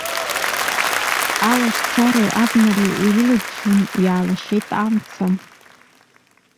Алашьцареи абнареи ирылҷҷаны иаалашеит амца.